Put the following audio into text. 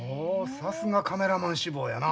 さすがカメラマン志望やな。